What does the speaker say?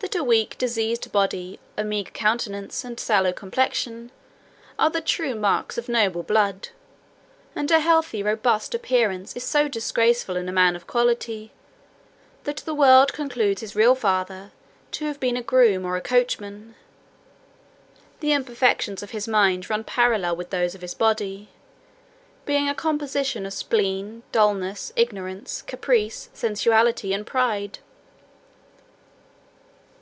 That a weak diseased body, a meagre countenance, and sallow complexion, are the true marks of noble blood; and a healthy robust appearance is so disgraceful in a man of quality, that the world concludes his real father to have been a groom or a coachman. The imperfections of his mind run parallel with those of his body, being a composition of spleen, dullness, ignorance, caprice, sensuality, and pride.